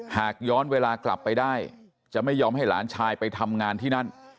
หากย้อนเวลากลับไปได้จะไม่ยอมให้หลานชายไปทำงานที่นั่น